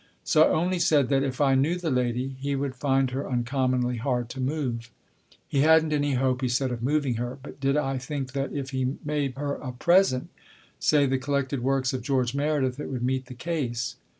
So I only said that, if I knew the lady, he would find her uncommonly hard to move. He hadn't any hope, he said, of moving her ; but did I think that if he made her a present say, the Collected Works of George Meredith, it would meet the case